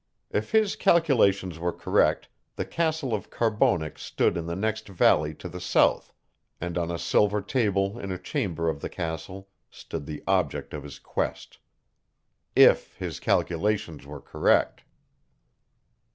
If his calculations were correct, the castle of Carbonek stood in the next valley to the south, and on a silver table in a chamber of the castle stood the object of his quest. If his calculations were correct.